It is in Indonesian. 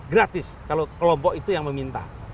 gratis kalau kelompok itu yang meminta